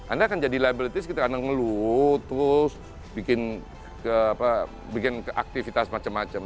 anda akan jadi liabilitis kita akan melut terus bikin aktivitas macam macam